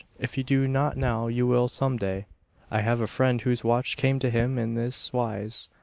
If you do not now you will some day. I have a friend whose watch came to him in this wise.